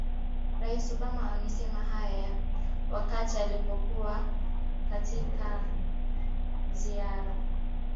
rais obama amesema hayo wakati alipokuwa katika ziara ya serikali nchini humo